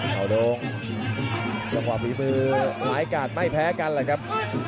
เอาดงสำหรับวิมือหายกาวด์ไม่แพ้กันอะไรครับ